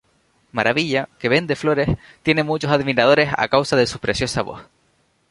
Maravilla, que vende flores, tiene muchos admiradores a causa de su preciosa voz.